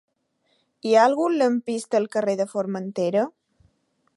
Hi ha algun lampista al carrer de Formentera?